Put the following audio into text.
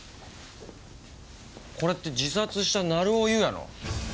これって自殺した成尾優也の。